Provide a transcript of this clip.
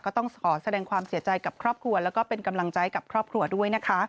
ต้องขอแสดงความเสียใจกับครอบครัวแล้วก็เป็นกำลังใจกับครอบครัวด้วยนะคะ